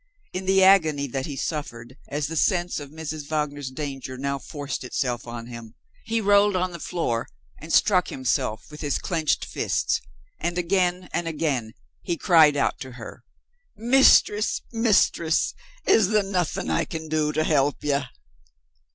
In the agony that he suffered, as the sense of Mrs. Wagner's danger now forced itself on him, he rolled on the floor, and struck himself with his clenched fists. And, again and again, he cried out to her, "Mistress! Mistress! is there nothing I can do to help you?"